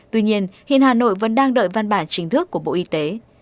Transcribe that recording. tuy nhiên hiện hà nội vẫn đang đợi văn bản chính thức của bộ y tế